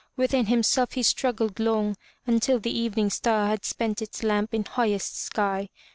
Within himself he struggled long until the evening star had spent its lamp in highest sky.